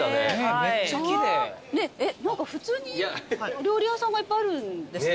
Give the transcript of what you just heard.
普通にお料理屋さんがいっぱいあるんですね。